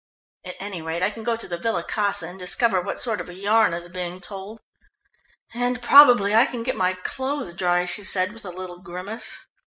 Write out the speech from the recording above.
At any rate, I can go to the Villa Casa and discover what sort of a yarn is being told." "And probably I can get my clothes dry," she said with a little grimace.